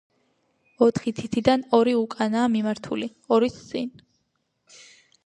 ოთხი თითიდან ორი უკანაა მიმართული, ორიც წინ.